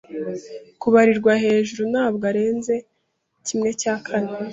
kubarirwa hejuru ntabwo arenze kimwe cya kane